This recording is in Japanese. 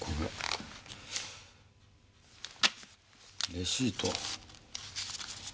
レシート。